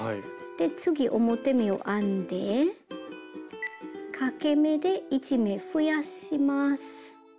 で次表目を編んでかけ目で１目増やします。